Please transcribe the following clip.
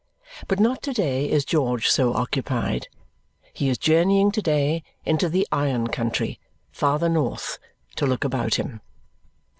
But not to day is George so occupied. He is journeying to day into the iron country farther north to look about him.